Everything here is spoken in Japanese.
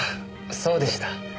そうでした。